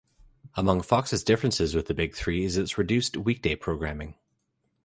Among Fox's differences with the Big Three is its reduced weekday programming.